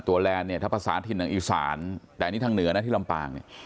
แลนด์เนี่ยถ้าภาษาถิ่นทางอีสานแต่อันนี้ทางเหนือนะที่ลำปางเนี่ย